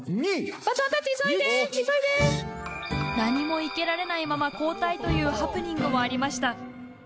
何も生けられないまま交代というハプニングもありました。